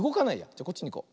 じゃあこっちにいこう。